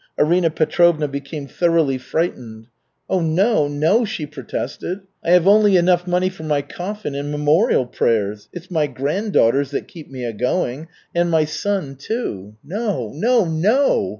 Arina Petrovna became thoroughly frightened. "Oh no, no!" she protested. "I have only enough money for my coffin and memorial prayers. It's my granddaughters that keep me a going, and my son, too. No, no, no!